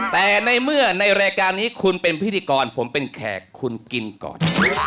แต่ในเมื่อในรายการนี้คุณเป็นพิธีกรผมเป็นแขกคุณกินก่อน